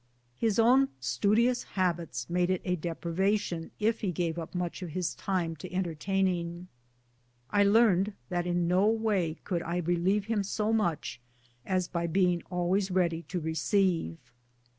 His own studious habits made it a deprivation if he gave up much of his time to entertaining. I learned that in no way could I relieve him so much as by being always ready to receive.